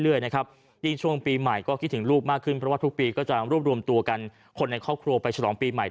ยิ่งช่วงปีใหม่ก็คิดถึงลูกมากขึ้นเพราะว่าทุกปีก็จะรวบรวมตัวกันคนในครอบครัวไปฉลองปีใหม่